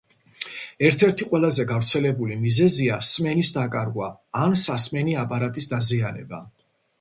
ერთ-ერთი ყველაზე გავრცელებული მიზეზია სმენის დაკარგვა ან სასმენი აპარატის დაზიანება.